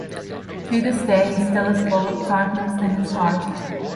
To this day he still has bullet fragments in his heart.